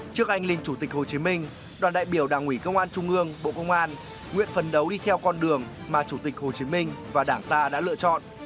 trước anh linh chủ tịch hồ chí minh đoàn đại biểu đảng ủy công an trung ương bộ công an nguyện phần đấu đi theo con đường mà chủ tịch hồ chí minh và đảng ta đã lựa chọn